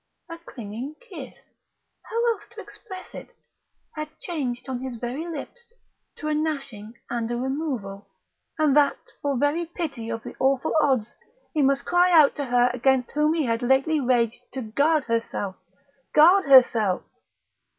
a clinging kiss (how else to express it?) had changed on his very lips to a gnashing and a removal, and that for very pity of the awful odds he must cry out to her against whom he had lately raged to guard herself ... guard herself....